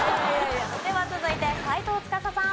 では続いて斎藤司さん。